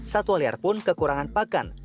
satwa liar pun kekurangan pakan